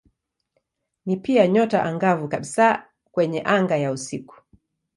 Ni pia nyota angavu kabisa kwenye anga ya usiku.